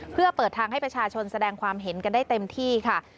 เพื่อเปิดทางให้ประชาชนแสดงความเห็นกันได้เต็มที่ค่ะ